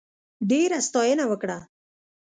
ډېره ستاینه وکړه.